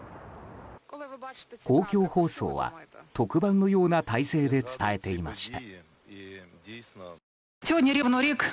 公共放送は特番のような体制で伝えていました。